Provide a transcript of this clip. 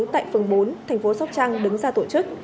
tại phường bốn thành phố sóc trăng đứng ra tổ chức